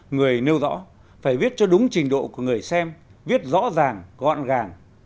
người nêu rõ phải viết cho đúng trình độ của người xem viết rõ ràng gọn gàng